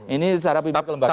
ini secara pimpinan kelembagaan